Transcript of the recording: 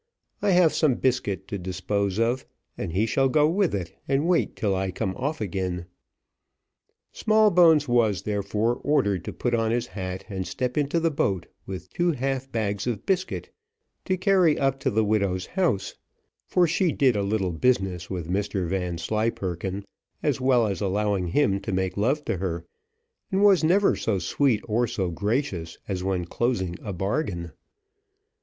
I have some biscuit to dispose of, and he shall go with it and wait till I come off again. Smallbones was, therefore, ordered to put on his hat and step into the boat with two half bags of biscuit to carry up to the widow's house, for she did a little business with Mr Vanslyperken, as well as allowing him to make love to her; and was never so sweet or so gracious, as when closing a bargain.